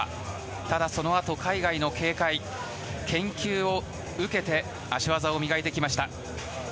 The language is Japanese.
ただそのあと、海外の警戒研究を受けて足技を磨いてきました。